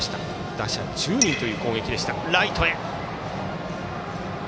打者１０人という攻撃でした。